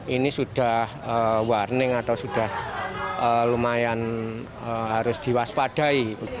ini sudah warning atau sudah lumayan harus diwaspadai